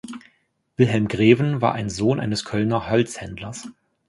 Wilhelm Greven war ein Sohn eines Kölner Holzhändlers.